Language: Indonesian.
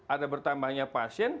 ada bertambahnya pasien